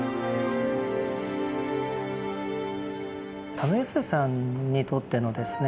為末さんにとってのですね